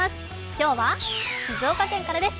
今日は静岡県からです。